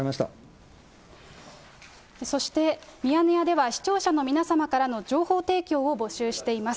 そして、ミヤネ屋では、視聴者の皆様からの情報提供を募集しています。